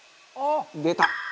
「出た！」